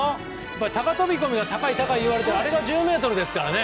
高飛込が高いといわれていますがあれが１０ｍですからね。